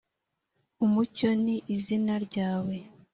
umucyo ni izina ryawe;